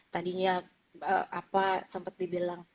tadinya apa sempat dibilang